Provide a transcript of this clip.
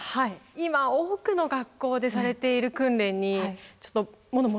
今多くの学校でされている訓練にちょっとモノ申したいなと。